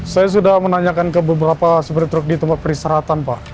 saya sudah menanyakan ke beberapa sepiritruk di tempat peristirahatan pak